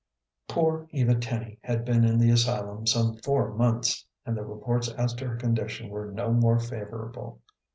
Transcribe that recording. Poor Eva Tenny had been in the asylum some four months, and the reports as to her condition were no more favorable.